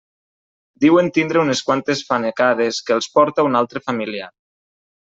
Diuen tindre unes quantes fanecades que els porta un altre familiar.